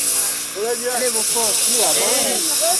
ya mabadiliko ya hali ya hewa Majadiliano